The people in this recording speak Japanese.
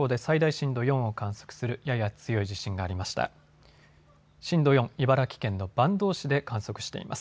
震度４、茨城県の坂東市で観測しています。